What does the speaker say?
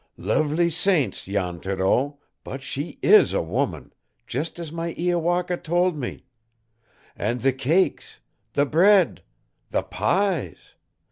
"Lovely saints, Jan Thoreau, but she IS a woman, just as my Iowaka told me! And the cakes the bread the pies!